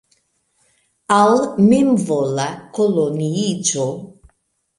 Al memvola koloniiĝo.